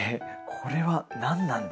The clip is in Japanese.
これは何なんだ？